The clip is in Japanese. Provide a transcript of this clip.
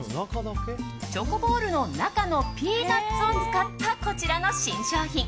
チョコボールの中のピーナツを使ったこちらの新商品。